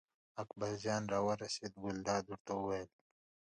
اکبرجان راورسېد، ګلداد ورته وویل.